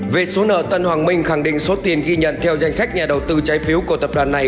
về số nợ tân hoàng minh khẳng định số tiền ghi nhận theo danh sách nhà đầu tư trái phiếu của tập đoàn này